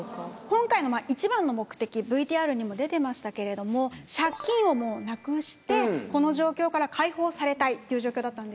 今回の一番の目的ＶＴＲにも出てましたけれども借金をもうなくしてこの状況から解放されたいっていう状況だったんですけども。